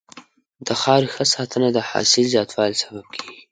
د خاورې ښه ساتنه د حاصل زیاتوالي سبب کېږي.